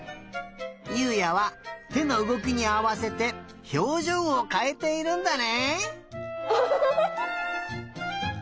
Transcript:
優海也はてのうごきにあわせてひょうじょうをかえているんだね！